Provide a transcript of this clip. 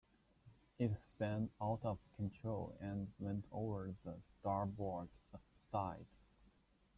It spun out of control and went over the starboard side.